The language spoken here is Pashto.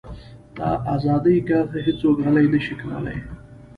د ازادۍ ږغ هیڅوک غلی نه شي کولی.